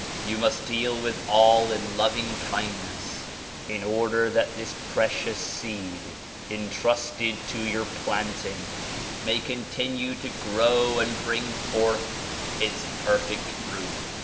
You must deal with all in loving kindness in order that this precious seed entrusted to your planting may continue to grow and bring forth its perfect fruit.